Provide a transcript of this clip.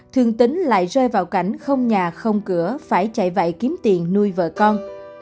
thường tính lại rơi vào cảnh không nhà không cửa phải chạy vậy kiếm tiền nuôi vợ con